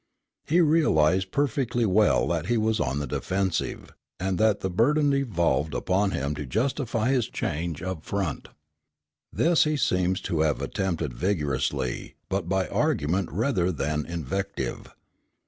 He realized perfectly well that he was on the defensive, and that the burden devolved upon him to justify his change of front. This he seems to have attempted vigorously, but by argument rather than invective.